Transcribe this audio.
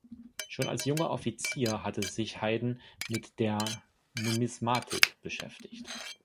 Schon als junger Offizier hatte sich Heyden mit der Numismatik beschäftigt.